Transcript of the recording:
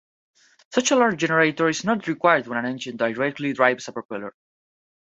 Such a large generator is not required when an engine directly drives a propeller.